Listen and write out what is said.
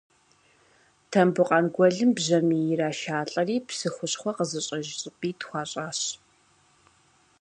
Тамбукъан гуэлым бжьамий ирашалӏэри псы хущхъуэ къызыщӏэж щӏыпӏитӏ хуащӏащ.